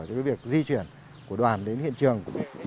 cho việc di chuyển của đoàn đến hiện trường